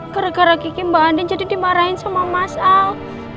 gara gara kiki mbak andi jadi dimarahin sama mas al